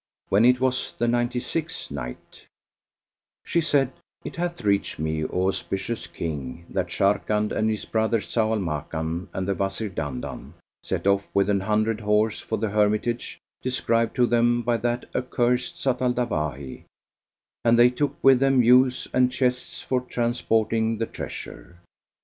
When it was the Ninety sixth Night, She said, It hath reached me, O auspicious King, that Sharrkan and his brother, Zau al Makan and the Wazir Dandan set off with an hundred horse for the hermitage described to them by that accursed Zat al Dawahi, and they took with them mules and chests for transporting the treasure.